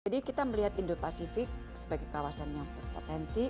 jadi kita melihat indo pasifik sebagai kawasan yang berpotensi